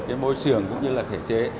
cái môi trường cũng như là thể chế